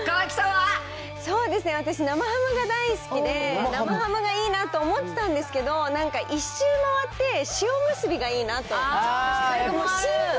そうですね、私、生ハムが大好きで、生ハムがいいなと思ってたんですけど、なんか一周回って塩結びがいいなと。